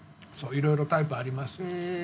いろいろタイプあります。